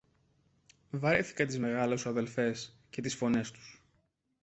Βαρέθηκα τις μεγάλες σου αδελφές και τις φωνές τους!